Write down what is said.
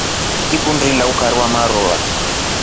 Ngikundi ilya ukari wa maruva.